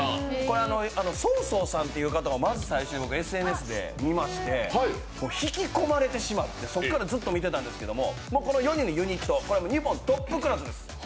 ＳＯ−ＳＯさんというう方をまず最初にＳＮＳで見まして引き込まれてしまってそこからずっと見てたんですけどこの４人のユニット、日本トップクラスです。